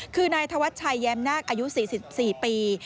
คือนายธวัชชัยแย้มนาคอายุ๔๔ปี